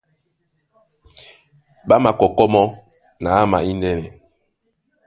Ɓá makɔkɔ́ mɔ́ na ama índɛ́nɛ.